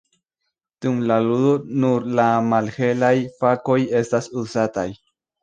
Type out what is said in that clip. Dum la ludo nur la malhelaj fakoj estas uzataj.